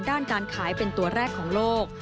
ด้านการขายเป็นตัวแรกของโลก